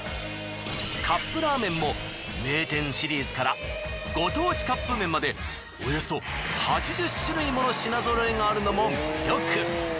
カップラーメンも名店シリーズからご当地カップ麺までおよそ８０種類もの品ぞろえがあるのも魅力。